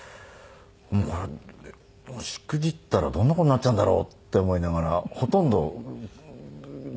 もうこれしくじったらどんな事になっちゃうんだろうって思いながらほとんど見る事できなかったです。